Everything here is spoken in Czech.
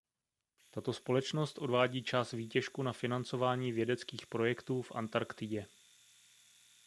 Tato společnost odvádí část výtěžku na financování vědeckých projektů v Antarktidě.